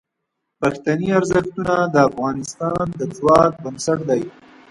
پښتني ارزښتونه د افغانستان د ځواک بنسټ دي.